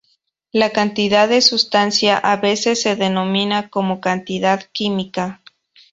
La cantidad de sustancia a veces se denomina como cantidad química.